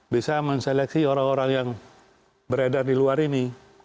bisa menseleksi orang orang yang beredar di luar ini